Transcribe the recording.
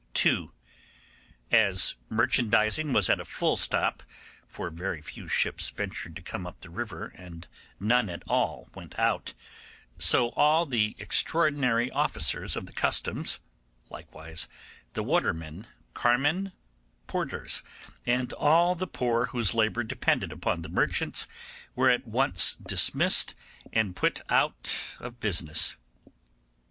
2. As merchandising was at a full stop, for very few ships ventured to come up the river and none at all went out, so all the extraordinary officers of the customs, likewise the watermen, carmen, porters, and all the poor whose labour depended upon the merchants, were at once dismissed and put out of business.